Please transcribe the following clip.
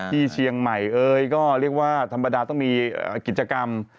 ที่เชียงใหม่เอ้ยก็เรียกว่าธรรมดาต้องมีกิจกรรม